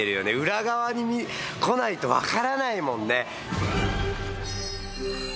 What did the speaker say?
裏側に来ないと分からないもんね。